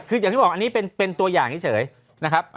คืออย่างที่บอกอันนี้เป็นตัวอย่างเฉยนะครับ